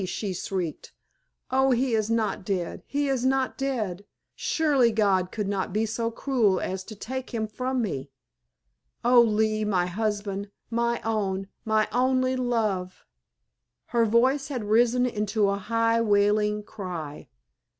she shrieked. "Oh, he is not dead, he is not dead! Surely God could not be so cruel as to take him from me! Oh, Lee, my husband, my own, my only love!" Her voice had risen into a high, wailing cry.